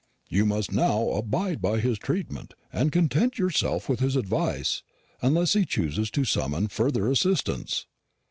"You must now abide by his treatment, and content yourself with his advice, unless he chooses to summon further assistance."